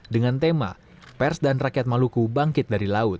dengan tema pers dan rakyat maluku bangkit dari laut